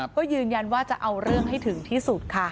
ก็ยืนยันว่าจะเอาเรื่องให้ถึงที่สุดค่ะ